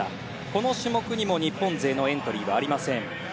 この種目にも日本勢のエントリーはありません。